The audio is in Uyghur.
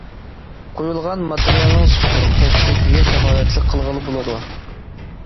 قۇيۇلغان ماتېرىيالنىڭ سۈپىتى، تەكشىلىكىگە كاپالەتلىك قىلغىلى بولىدۇ.